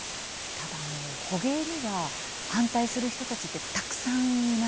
ただ、捕鯨には反対する人たちってたくさんいます。